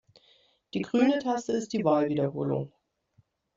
Die grüne Taste ist die Wahlwiederholung.